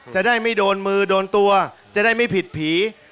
จะได้ไม่โดนมือโดนตัวจะได้ไม่ผิดผี